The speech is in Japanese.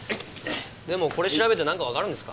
でもこれ調べてなんかわかるんですか？